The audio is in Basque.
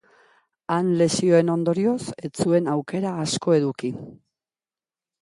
Han lesioen ondorioz ez zuen aukera asko eduki.